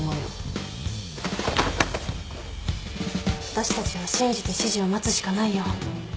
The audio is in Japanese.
私たちは信じて指示を待つしかないよ。